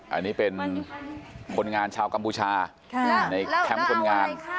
อันนี้เป็นคนงานชาวกัมพูชาในแคมป์คนงาน